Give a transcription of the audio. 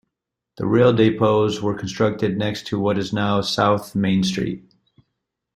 The rail depots were constructed next to what is now S. Main Street.